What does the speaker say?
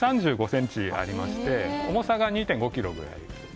１３５ｃｍありまして重さが２．５ｋｇぐらい。